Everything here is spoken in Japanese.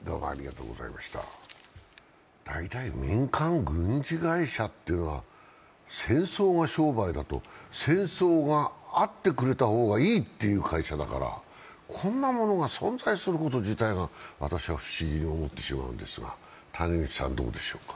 大体民間軍事会社っていうのは戦争が商売だと戦争があってくれた方がいいっていう会社だからこんなものが存在すること自体が私は不思議に思ってしまうんですが。